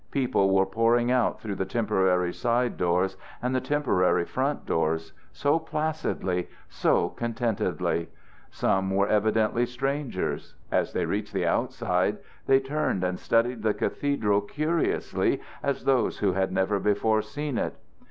People were pouring out through the temporary side doors and the temporary front doors so placidly, so contentedly! Some were evidently strangers; as they reached the outside they turned and studied the cathedral curiously as those who had never before seen it.